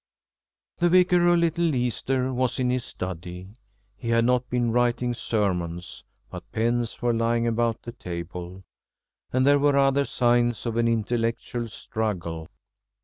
II. The Vicar of Little Easter was in his study. He had not been writing sermons, but pens were lying about the table, and there were other signs of an intellectual struggle.